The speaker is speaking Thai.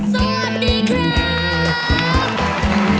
สวัสดีครับ